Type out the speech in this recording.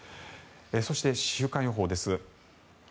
そして、週間予報です。